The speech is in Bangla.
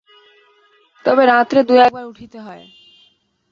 তবে রাত্রে দু-একবার উঠিতে হয়।